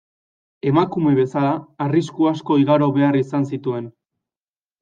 Emakume bezala, arrisku asko igaro behar izan zituen.